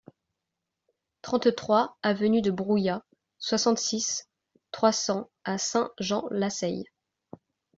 trente-trois avenue de Brouilla, soixante-six, trois cents à Saint-Jean-Lasseille